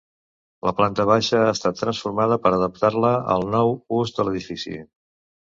La planta baixa ha estat transformada per adaptar-la al nou ús de l'edifici.